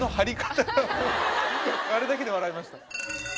あれだけで笑いました。